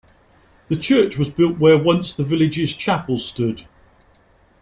The church was built where once the village's chapel stood.